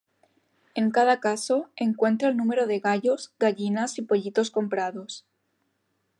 En cada caso, encuentra el número de gallos, gallinas y pollitos comprados.